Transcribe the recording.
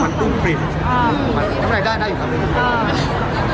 มันตุ้มกลิ่นอ้าวเราไม่ได้ได้อยู่ครับอ้าว